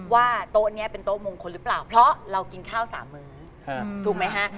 ว่าโต๊ะนี้เป็นโต๊ะมงคลหรือเปล่าเพราะเรากินข้าว๓มื้อถูกไหมฮะ